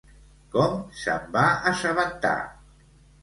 Com se'n va assabentar?